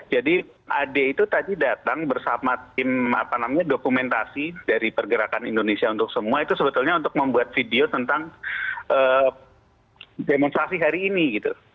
jadi ade itu tadi datang bersama tim dokumentasi dari pergerakan indonesia untuk semua itu sebetulnya untuk membuat video tentang demonstrasi hari ini gitu